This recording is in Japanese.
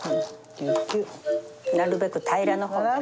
なるべく平らな方がいいよ。